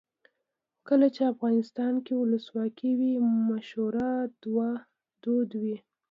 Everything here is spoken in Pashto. کله چې افغانستان کې ولسواکي وي مشوره دود وي.